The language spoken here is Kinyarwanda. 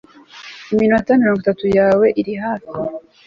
Iminota mirongo itatu yawe iri hafi